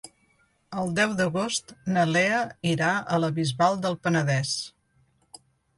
El deu d'agost na Lea irà a la Bisbal del Penedès.